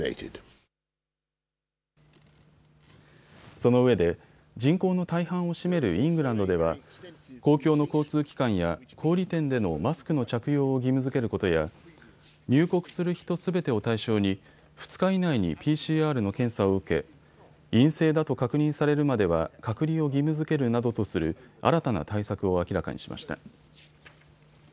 そのうえで人口の大半を占めるイングランドでは公共の交通機関や小売店でのマスクの着用を義務づけることや入国する人すべてを対象に２日以内にＰＣＲの検査を受け、陰性だと確認されるまでは隔離を義務づけるなどとする新たな対策を明らかにしました。